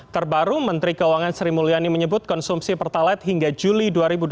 terbaru menteri keuangan sri mulyani menyebut konsumsi pertalite hingga juli dua ribu dua puluh